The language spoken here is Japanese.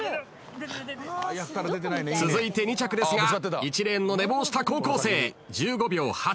続いて２着ですが１レーンの寝坊した高校生１５秒８７。